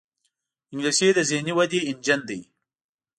انګلیسي د ذهني ودې انجن دی